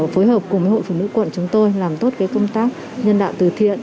phối hợp cùng với hội phụ nữ quận chúng tôi làm tốt công tác nhân đạo từ thiện